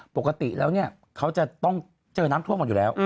ปกติเค้าจะก็เห็นน้ำถว่มกันออกอยู่แล้ว